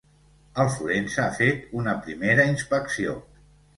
El forense ha fet una primera inspecció.